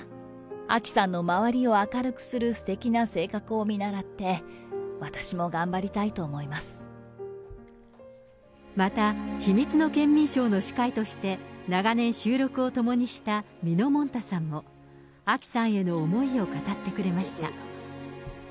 あきさんの周りを明るくするすてきな性格を見習って、私も頑張りまた、秘密のケンミンＳＨＯＷの司会として、長年、収録を共にしたみのもんたさんも、あきさんへの思いを語ってくれました。